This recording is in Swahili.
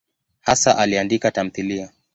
Hasa aliandika tamthiliya.